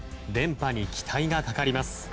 連覇に期待がかかります。